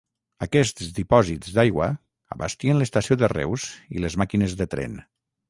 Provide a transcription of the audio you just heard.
Aquests dipòsits d'aigua abastien l'estació de Reus i les màquines de tren.